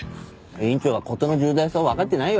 院長は事の重大さをわかってないよ。